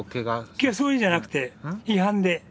いやそういうんじゃなくて違反で。